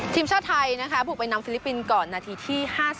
ทีมชาติไทยนะคะบุกไปนำฟิลิปปินส์ก่อนนาทีที่๕๐